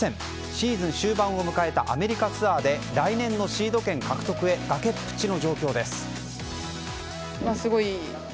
シーズン終盤を迎えたアメリカツアーで来年のシード権獲得へ崖っぷちの状況です。